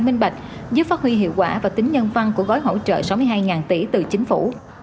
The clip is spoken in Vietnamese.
minh bạch giúp phát huy hiệu quả và tính nhân văn của gói hỗ trợ sáu mươi hai tỷ từ chính phủ